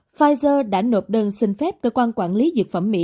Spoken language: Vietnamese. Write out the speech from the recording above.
pfizer đã nộp đơn xin phép cơ quan quản lý dược phẩm mỹ